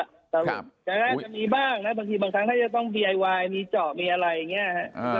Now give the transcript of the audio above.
จะมีบ้างนะบางครั้งถ้าจะต้องบีไอวายมีเจาะมีอะไรอย่างนี้ฮะ